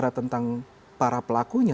bicara tentang para pelakunya